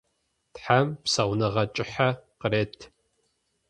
Тхьам псэуныгъэ кӏыхьэ къырет.